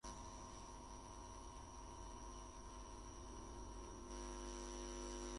La aplicación fue diseñada, originalmente, solo para computadoras de escritorio.